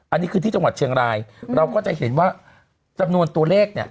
อันนี้คือที่จังหวัดเชียงรายเราก็จะเห็นว่าจำนวนตัวเลขเนี่ย